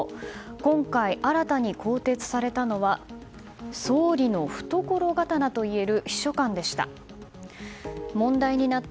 今回、新たに更迭されたのは総理の懐刀といえる秘書官でした。